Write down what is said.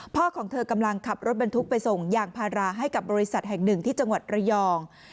ของเธอกำลังขับรถบรรทุกไปส่งยางพาราให้กับบริษัทแห่งหนึ่งที่จังหวัดระยอง